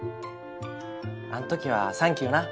あの時はサンキューな。